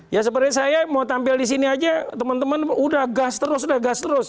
ya seperti saya mau tampil di sini aja teman teman udah gas terus udah gas terus